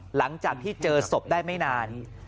หลังจากที่เจอศพได้ไม่นาน